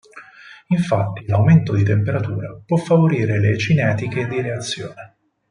Infatti l'aumento di temperatura può favorire le cinetiche di reazione.